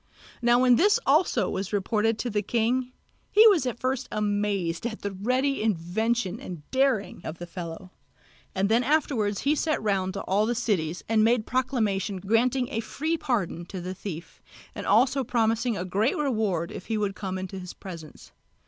Now when this also was reported to the king, he was at first amazed at the ready invention and daring of the fellow, and then afterwards he sent round to all the cities and made proclamation granting a free pardon to the thief, and also promising a great reward if he would come into his presence.